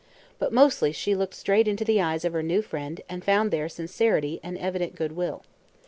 But mostly she looked straight into the eyes of her new friend and found there sincerity and evident good will.